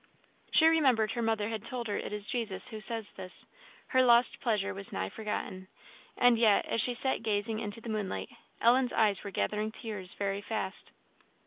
She remembered her mother had told her it is Jesus who says this. Her lost pleasure was well nigh forgotten; and yet, as she sat gazing into the moonlight, Ellen's eyes were gathering tears very fast.